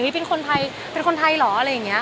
เป็นคนไทยเป็นคนไทยเหรออะไรอย่างนี้